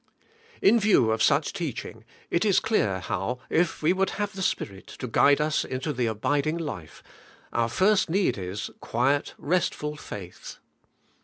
In view of such teaching, it is clear how, if we would have the Spirit to guide us into the abiding life, our first need is — quiet, restful faith.